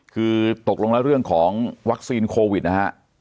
คือตกลงแล้วเรื่องของวัคซีนโควิดนะฮะ